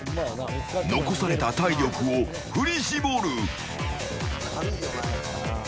残された体力を振り絞る。